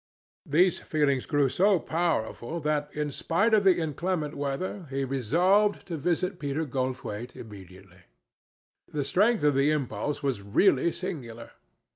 These feelings grew so powerful that, in spite of the inclement weather, he resolved to visit Peter Goldthwaite immediately. The strength of the impulse was really singular.